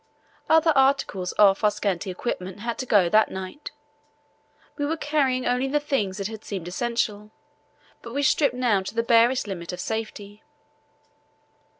Other articles off our scanty equipment had to go that night. We were carrying only the things that had seemed essential, but we stripped now to the barest limit of safety.